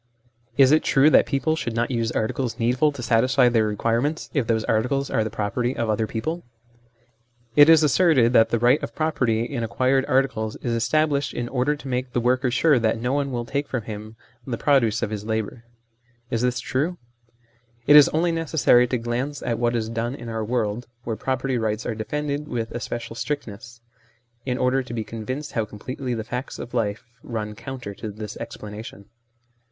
Is it true that people should not use articles needful to satisfy their requirements, if those articles are the property of other people ? It is asserted that the right of property in acquired articles is established in order to make the worker sure that no one will take from him the produce of his labour. Is this true ? It is only necessary to glance at what is done in our world, where property rights are defended with especial strictness, in order to be convinced how completely the facts of life run counter to this explanation.